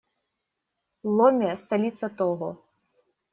Ломе - столица Того.